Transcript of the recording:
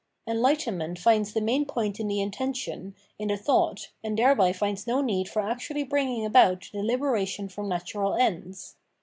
Enlightenment finds the main point in the intention, in the thought, and thereby finds no need for actually bringing about the liberation from natural ends.